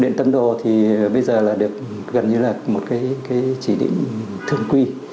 huyện tâm đồ thì bây giờ là được gần như là một cái chỉ định thường quy